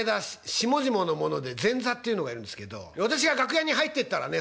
下々の者で前座っていうのがいるんですけど私が楽屋に入ってったらね